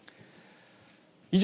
以上、